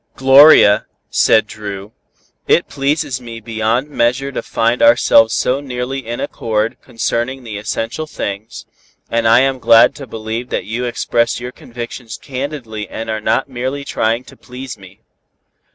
"Gloria," said Dru, "it pleases me beyond measure to find ourselves so nearly in accord concerning the essential things, and I am glad to believe that you express your convictions candidly and are not merely trying to please me."